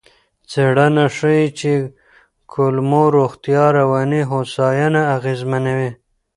څېړنه ښيي چې کولمو روغتیا رواني هوساینه اغېزمنوي.